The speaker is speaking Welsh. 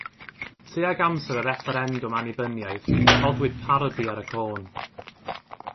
Tuag amser y Refferendwm Annibyniaeth, rhoddwyd parodi ar y côn.